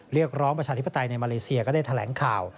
เรียกร้องประชาธิปไตยในมาเลเซียก็ได้แถลงข่าว